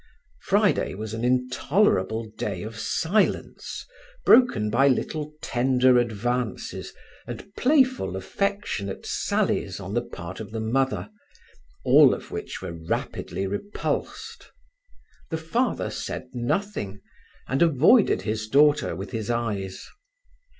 Friday was an intolerable day of silence, broken by little tender advances and playful, affectionate sallies on the part of the mother, all of which were rapidly repulsed. The father said nothing, and avoided his daughter with his eyes.